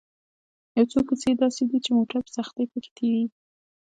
یو څو کوڅې یې داسې دي چې موټر په سختۍ په کې تېرېږي.